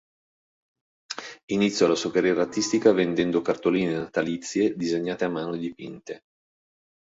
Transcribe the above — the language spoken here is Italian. Iniziò la sua carriera artistica vendendo cartoline natalizie disegnate a mano e dipinte.